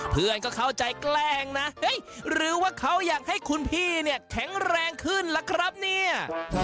เพื่อนก็เข้าใจแกล้งนะหรือว่าเขาอยากให้คุณพี่เนี่ยแข็งแรงขึ้นล่ะครับเนี่ย